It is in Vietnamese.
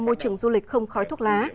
môi trường du lịch không khói thuốc lá